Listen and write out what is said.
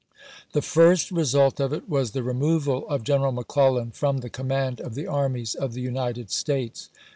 The first result of it was the removal of General McClellan from the command of the armies of the United States.